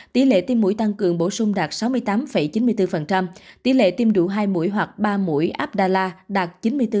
tỷ lệ tiêm mũi tăng cường bổ sung đạt sáu mươi tám chín mươi bốn tỷ lệ tiêm đủ hai mũi hoặc ba mũi abdala đạt chín mươi bốn sáu mươi hai